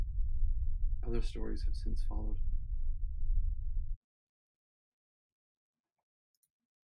Other stories have since followed.